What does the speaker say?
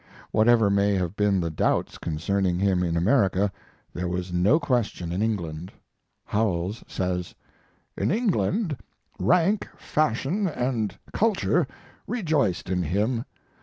Whatever may have been the doubts concerning him in America, there was no question in England. Howells says: In England rank, fashion, and culture rejoiced in him.